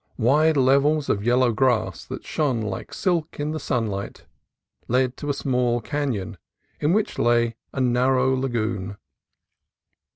Wide levels of yellow grass that shone like silk in the sunlight led to a small canon in which lay a narrow lagoon.